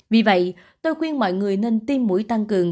vì vậy tôi khuyên mọi người nên tiêm mũi tăng cường